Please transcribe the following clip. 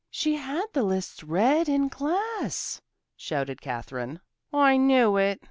"She had the lists read in class!" shouted Katherine. "I knew it!"